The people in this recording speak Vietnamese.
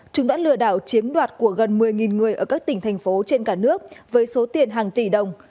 chúng đã lừa đảo chiếm đoạt của gần một mươi người ở các tỉnh thành phố trên cả nước với số tiền hàng tỷ đồng